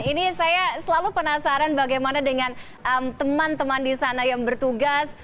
ini saya selalu penasaran bagaimana dengan teman teman di sana yang bertugas